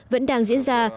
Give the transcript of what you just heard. vẫn đang diễn ra